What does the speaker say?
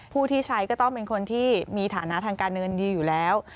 ผู้ที่ใช้ก็ต้องเป็นคนที่มีฐานะทางการเงินดีอยู่แล้ว